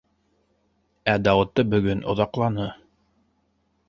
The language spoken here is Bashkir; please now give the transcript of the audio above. Ә Дауыты бөгөн оҙаҡланы.